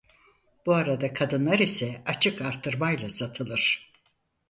Bu arada kadınlar ise açık artırmayla satılır.